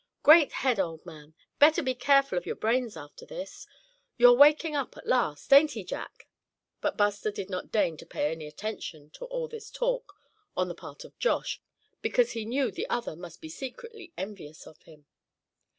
Great head, old man, better be careful of your brains after this. You're waking up at last; ain't he, Jack?" but Buster did not deign to pay any attention to all this talk on the part of Josh, because he knew the other must be secretly envious of him.